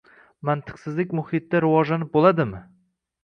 Mantiqsizlik muhitida rivojlanib bo‘ladimi?